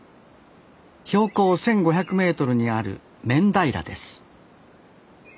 標高１，５００メートルにある面平です